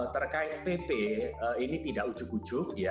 terkait pp ini tidak ujuk ujuk